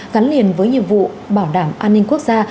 gắn liền với nhiệm vụ bảo đảm an ninh quốc gia